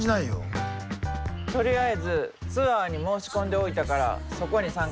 とりあえずツアーに申し込んでおいたからそこに参加して。